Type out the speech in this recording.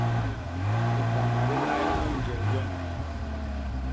Dibaña di nnay mu njel yoñ!